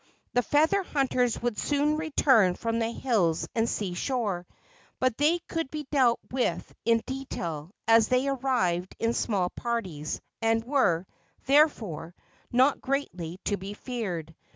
The feather hunters would soon return from the hills and sea shore; but they could be dealt with in detail as they arrived in small parties, and were, therefore, not greatly to be feared.